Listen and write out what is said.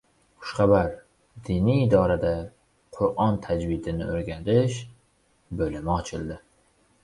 Xushxabar: Diniy idorada "Qur’on tajvidini o‘rgatish" bo‘limi ochildi!